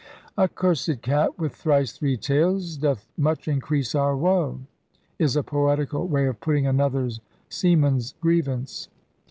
A cursed cat with thrice three tails Doth much increase our woe is a poetical way of putting another seaman's grievance.